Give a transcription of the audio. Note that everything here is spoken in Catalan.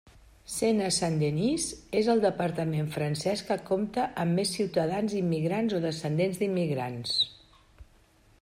Sena Saint-Denis és el departament francès que compta amb més ciutadans immigrants o descendents d'immigrants.